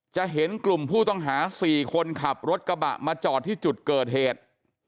จะเห็นกลุ่มผู้ต้องหา๔คนขับรถกระบะมาจอดที่จุดเกิดเหตุ